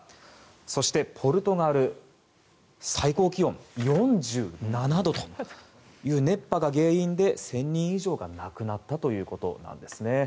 そしてポルトガル最高気温４７度という熱波が原因で１０００人以上が亡くなったということです。